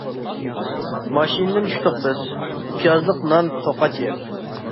ماشىنىدىن چۈشتۇق بىز، پىيازلىق نان، توقاچ يەپ.